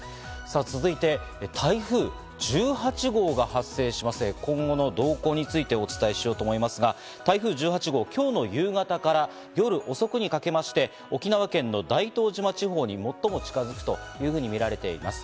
続いて、台風１８号が発生しまして、今後の動向についてお伝えしようと思いますが、台風１８号、今日の夕方から夜遅くにかけまして沖縄県の大東島地方に最も近づくというふうに見られます。